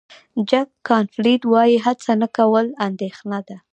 جک کانفیلډ وایي هڅه نه کول اندېښنه ده.